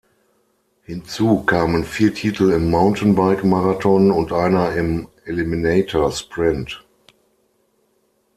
Hinzu kamen vier Titel im Mountainbike-Marathon und einer im "Eliminator-Sprint".